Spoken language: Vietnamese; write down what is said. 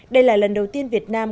đây là lần đầu tiên việt nam